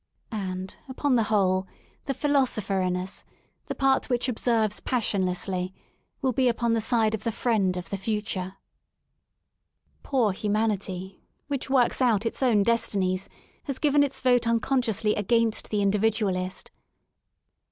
And, upon the whole, the Philo sopher in us, the part which observes passionlessly, will be upon the side of the friend of the future. Poor humanity, which works out its own destiniesi has given its vote unconsciously against the Individ 156 REST IN LONDON ualtst.